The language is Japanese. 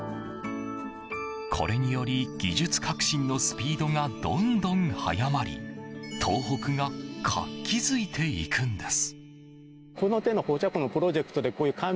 これにより技術革新のスピードがどんどん早まり東北が活気づいていくんです。